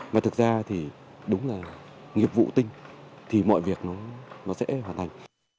và thực ra thì đúng là nghiệp vụ tinh thì mọi việc nó sẽ hoàn thành